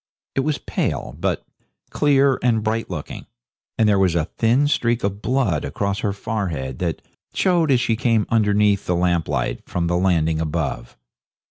It was pale, but clear and bright looking, and there was a thin streak of blood across her forehead that showed as she came underneath the lamp light from the landing above.